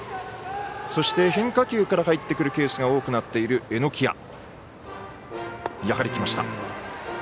そして変化球から入ってくるケースが多くなっている榎谷。